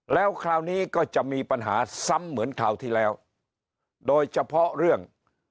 แล้วคราวนี้ก็จะมีปัญหาซ้ำเหมือนคราวที่แล้วโดยเฉพาะเรื่อง